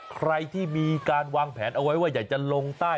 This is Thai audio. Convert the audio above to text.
ใครที่มีการวางแผนเอาไว้ว่าอยากจะลงใต้